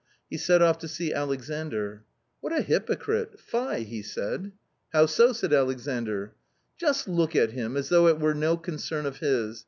He set off to see Alexandr. " What a hypocrite ! fie !" he said. " How so !" said Alexandr. " Just look at him, as though it were no concern of his